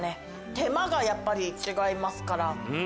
手間がやっぱり違いますから。